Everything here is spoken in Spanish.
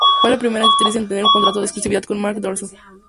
Fue la primera actriz en tener un contrato en exclusividad con Marc Dorcel.